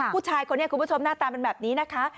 ผู้ชายคนนี้คุณผู้ชมหน้าตาเป็นแบบนี้นะคะ